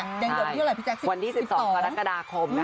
แดงเดือดนี่เวลาไหร่พี่แจ๊คติดต่อวันที่๑๒กรกฎาคมนะคะ